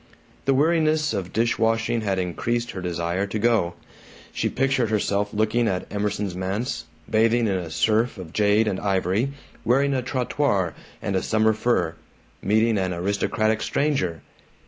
The weariness of dish washing had increased her desire to go. She pictured herself looking at Emerson's manse, bathing in a surf of jade and ivory, wearing a trottoir and a summer fur, meeting an aristocratic Stranger.